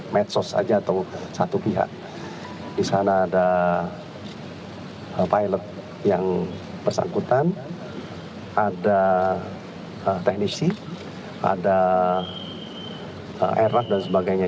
medsos saja atau satu pihak di sana ada pilot yang bersangkutan ada teknisi ada air raff dan sebagainya